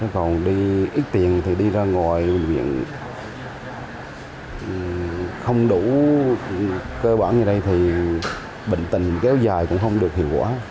còn đi ít tiền thì đi ra ngoài viện không đủ cơ bản ở đây thì bệnh tình kéo dài cũng không được hiệu quả